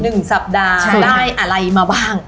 หนึ่งสัปดาห์ได้อะไรมาบ้าง